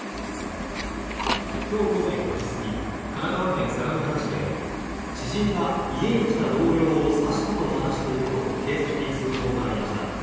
今日午前４時過ぎ神奈川県相模原市で知人が家に来た同僚を刺したと話していると警察に通報がありました。